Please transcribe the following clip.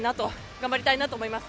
頑張りたいなと思います。